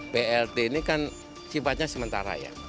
plt ini kan sifatnya sementara ya